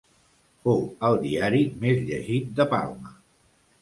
Fou el diari més llegit de Palma.